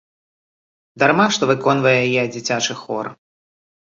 Дарма, што выконвае яе дзіцячы хор.